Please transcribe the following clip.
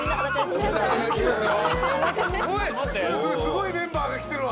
すごいメンバーが来てるわ。